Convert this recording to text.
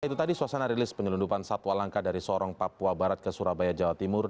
itu tadi suasana rilis penyelundupan satwa langka dari sorong papua barat ke surabaya jawa timur